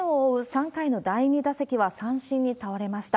３回の第２打席は三振に倒れました。